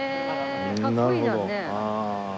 かっこいいじゃんね。